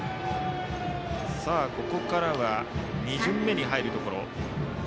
ここからは２巡目に入るところ。